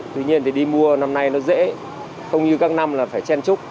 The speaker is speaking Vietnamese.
tuy nhiên thì đi mua năm nay nó dễ không như các năm là phải chen trúc